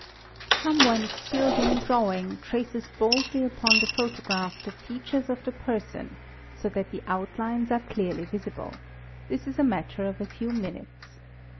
4 Some one skilled in drawing traces boldly upon the photostagl th features of the person so that the outlines are clearly visible; this is a matter of a few minutes.